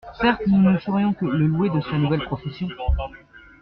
Certes, nous ne saurions que le louer de sa nouvelle profession.